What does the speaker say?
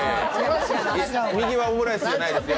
右はオムライスじゃないですよ。